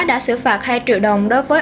đã xử phạt hai triệu đồng đối với